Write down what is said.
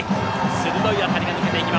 鋭い当たりが抜けていく。